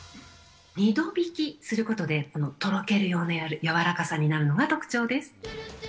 二度びきすることで、とろけるような柔らかさになるのが特徴です。